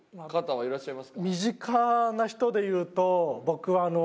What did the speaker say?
身近な人で言うと僕はあの。